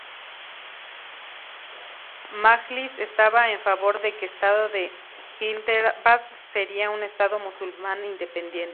Majlis estaba en favor de que estado de Hyderabad sería un estado musulmán independiente.